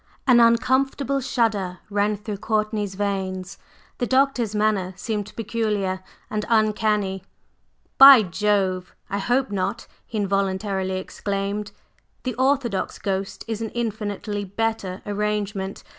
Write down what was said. An uncomfortable shudder ran through Courtney's veins; the Doctor's manner seemed peculiar and uncanny. "By Jove! I hope not!" he involuntarily exclaimed. "The orthodox ghost is an infinitely better arrangement.